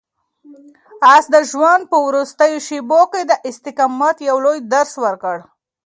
آس د ژوند په وروستیو شېبو کې د استقامت یو لوی درس ورکړ.